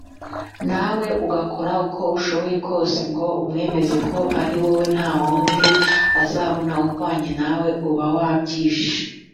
nawe ugakora uko ushoboye kose ngo umwemeze ko ari wowe nta wundi azabona uhwanye nawe uba wabyishe